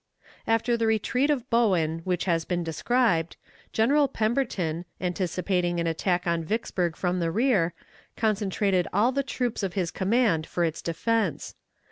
After the retreat of Bowen which has been described. General Pemberton, anticipating an attack on Vicksburg from the rear, concentrated all the troops of his command for its defense.